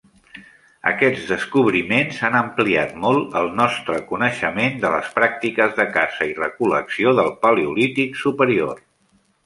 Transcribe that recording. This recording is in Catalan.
Aquests descobriments han ampliat molt el nostre coneixement de les pràctices de caça i recol·lecció del paleolític superior.